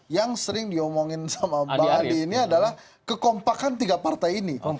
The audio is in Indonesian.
yang sering diomongin sama mbak andi ini adalah kekompakan tiga partai ini